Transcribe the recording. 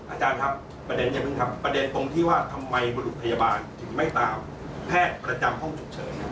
อาจารย์ครับประเด็นอย่าเพิ่งทำประเด็นตรงที่ว่าทำไมบรุษพยาบาลถึงไม่ตามแพทย์ประจำห้องฉุกเฉิน